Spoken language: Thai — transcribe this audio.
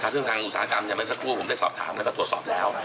ซึ่งทางอุตสาหกรรมอย่างเมื่อสักครู่ผมได้สอบถามแล้วก็ตรวจสอบแล้ว